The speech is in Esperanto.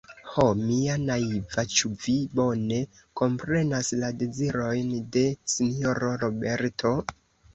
Ho, mia naiva, ĉu vi bone komprenas la dezirojn de sinjoro Roberto?